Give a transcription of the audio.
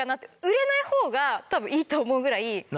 売れない方が多分いいと思うぐらい。